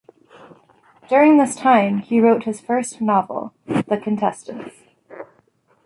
During this time he wrote his first novel, "The Contestants".